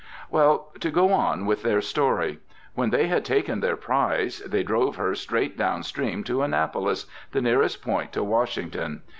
Well, to go on with their story, when they had taken their prize, they drove her straight down stream to Annapolis, the nearest point to Washington.